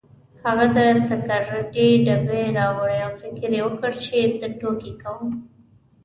هغه د سګرټو ډبې راوړې او فکر یې وکړ چې زه ټوکې کوم.